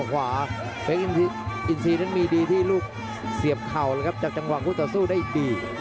อินซีนั้นมีดีที่ลูกเสียบเข่าเลยครับจากจังหวะคู่ต่อสู้ได้ดี